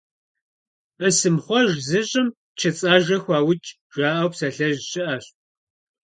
«Бысымхъуэж зыщӀым чыцӀ ажэ хуаукӀ», - жаӀэу псалъэжь щыӀэщ.